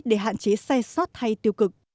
để hạn chế sai sót hay tiêu cực